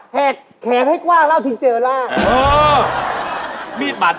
แหกตายควากแล้วจึงเจอราต